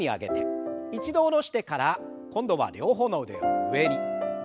一度下ろしてから今度は両方の腕を上に。